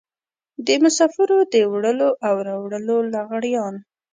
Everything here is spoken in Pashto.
د مسافرو د وړلو او راوړلو لغړيان.